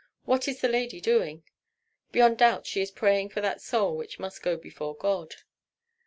"What is the lady doing?" "Beyond doubt she is praying for that soul which must go before God."